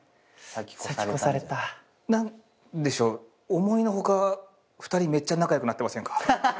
思いの外２人めっちゃ仲良くなってませんか？